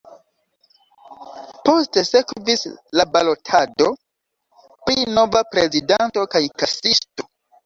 Poste sekvis la balotado pri nova prezidanto kaj kasisto.